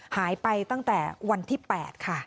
หายไปตั้งแต่วันที่๘ค่ะ